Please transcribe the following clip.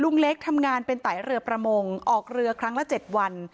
เล็กทำงานเป็นไตเรือประมงออกเรือครั้งละ๗วัน